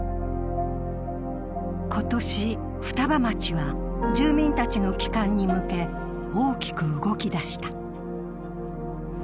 今年、双葉町は住民たちの帰還に向け大きく動き出した。